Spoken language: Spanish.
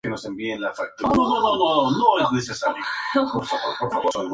Bajo la dirección de Julián Ribera.